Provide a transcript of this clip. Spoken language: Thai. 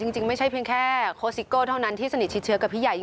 จริงไม่ใช่เพียงแค่โค้ซิโก้เท่านั้นที่สนิทชิดเชื้อกับพี่ใหญ่